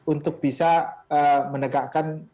untuk bisa menegakkan